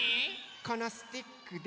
このスティックで。